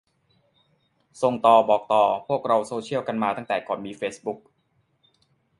ส่งต่อ บอกต่อ พวกเราโซเชียลกันมาตั้งแต่ก่อนมีเฟซบุ๊ก